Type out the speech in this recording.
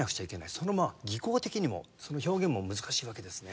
その技巧的にもその表現も難しいわけですね。